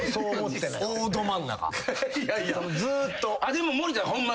でも森田ホンマ